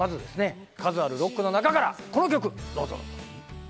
数あるロックの中から、この曲どうぞ！